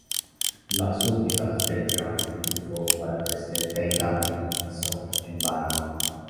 Las súplicas del Gran Pitufo para que se detengan son en vano.